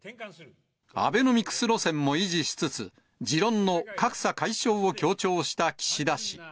アベノミクス路線も維持しつつ、持論の格差解消を強調した岸田氏。